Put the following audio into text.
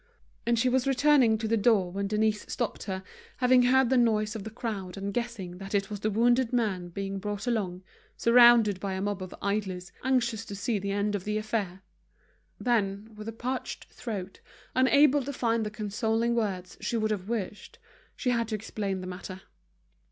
And she was returning to the door when Denise stopped her, having heard the noise of the crowd and guessing that it was the wounded man being brought along, surrounded by a mob of idlers anxious to see the end of the affair. Then, with a parched throat, unable to find the consoling words she would have wished, she had to explain the matter.